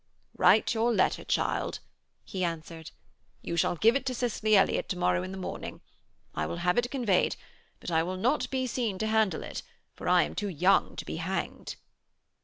'Write your letter, child,' he answered. 'You shall give it to Cicely Elliott to morrow in the morning. I will have it conveyed, but I will not be seen to handle it, for I am too young to be hanged.'